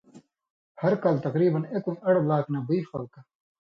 ہر کال تقریبا اېکُوئ اڑ لاک نہ بُوئ خلکہ